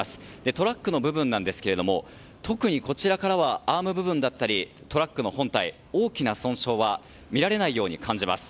トラック部分ですが特にこちらからはアーム部分だったりトラックの本体に大きな損傷は見られないように感じます。